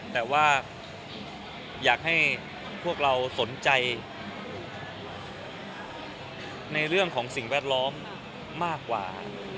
แต่ว่าอยากให้พวกเราสนใจในเรื่องของสิ่งแวดล้อมมากกว่า